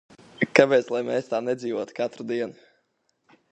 Kāpēc lai mēs tā nedzīvotu katru dienu?